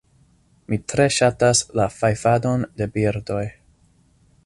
Mi tre ŝatas la fajfadon de birdoj.